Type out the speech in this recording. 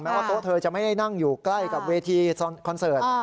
ว่าโต๊ะเธอจะไม่ได้นั่งอยู่ใกล้กับเวทีคอนเสิร์ต